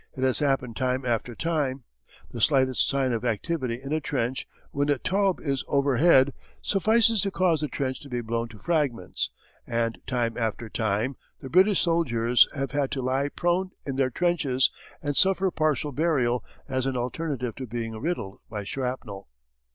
It has happened time after time. The slightest sign of activity in a trench when a "Taube" is overhead suffices to cause the trench to be blown to fragments, and time after time the British soldiers have had to lie prone in their trenches and suffer partial burial as an alternative to being riddled by shrapnel.